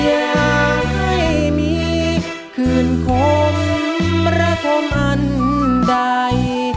อยากให้มีคืนคมระธมอันใด